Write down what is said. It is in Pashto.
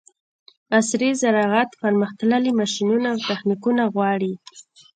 عصري زراعت پرمختللي ماشینونه او تخنیکونه غواړي.